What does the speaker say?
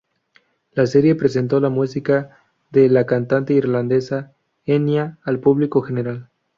La serie presentó la música de la cantante irlandesa Enya al público general.